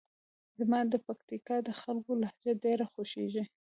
زما د پکتیکا د خلکو لهجه ډېره خوښیږي.